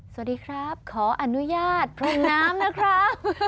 สวัสดีครับขออนุญาตพรมน้ำนะครับ